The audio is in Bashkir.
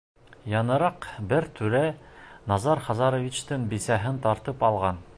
Яңыраҡ бер түрә Назар Хазаровичтың бисәһен тартып алған.